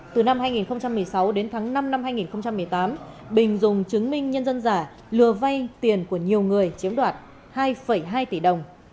từ năm hai nghìn một mươi sáu đến tháng năm năm hai nghìn một mươi tám bình dùng chứng minh nhân dân giả lừa vay tiền của nhiều người chiếm đoạt hai hai tỷ đồng